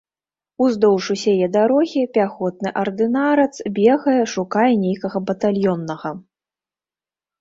Уздоўж усяе дарогі пяхотны ардынарац бегае, шукае нейкага батальённага.